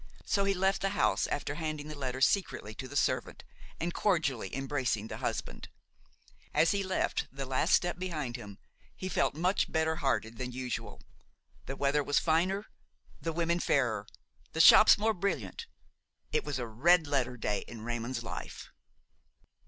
So he left the house after handing the letter secretly to the servant and cordially embracing the husband. As he left the last step behind him, he felt much better hearted than usual; the weather was finer, the women fairer, the shops more brilliant. It was a red letter day in Raymon's life.